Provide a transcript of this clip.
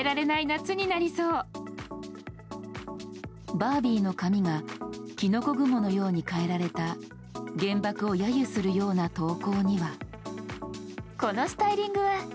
バービーの髪がキノコ雲のように変えられた原爆を揶揄するような投稿には。